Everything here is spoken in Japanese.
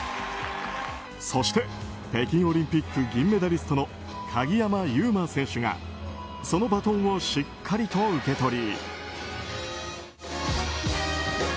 そして、北京オリンピック銀メダリストの鍵山優真選手がそのバトンをしっかりと受け取り。